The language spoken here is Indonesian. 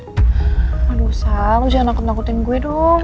aduh sah lu jangan nangkut nangkutin gue dong